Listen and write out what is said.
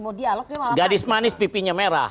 mau dialog dia mau apa gadis manis pipinya merah